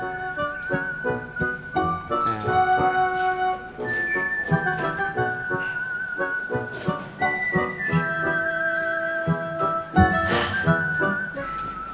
dan mudah mudahan dia bakal balik lagi